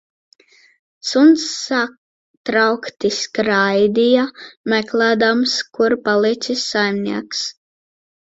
Suns satraukti skraidīja, meklēdams, kur palicis saimnieks